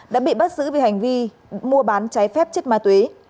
đã bị bắt giữ vì hành vi mua bán trái phép chất ma túy